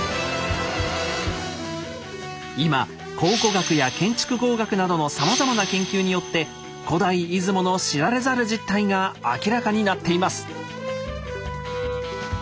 今考古学や建築工学などのさまざまな研究によって古代出雲の知られざる実態が明らかになっています。